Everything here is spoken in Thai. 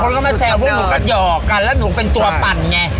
เขาก็มาแซวพวกหนูก็หยอกกันแล้วหนูเป็นตัวปั่นไง